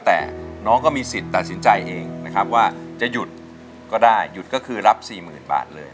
แต่น้องก็มีสิทธิ์ตัดสินใจเองนะครับว่าจะหยุดก็ได้หยุดก็คือรับสี่หมื่นบาทเลย